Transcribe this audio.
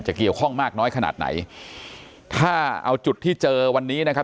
เกี่ยวข้องมากน้อยขนาดไหนถ้าเอาจุดที่เจอวันนี้นะครับ